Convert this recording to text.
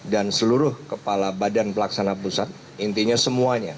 dan seluruh kepala badan pelaksanaan pusat intinya semuanya